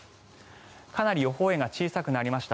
かなり予報円が小さくなりました。